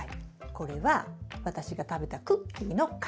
これは私が食べたクッキーの缶。